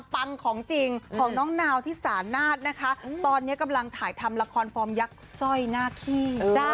ปังของจริงของน้องนาวที่สานาศนะคะตอนนี้กำลังถ่ายทำละครฟอร์มยักษ์สร้อยหน้าขี้